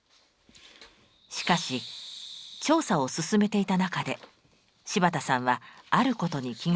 しかし調査を進めていた中で柴田さんはあることに気が付いたのです。